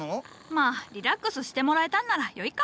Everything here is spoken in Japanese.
まあリラックスしてもらえたんならよいか。